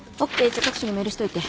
じゃ各所にメールしといて。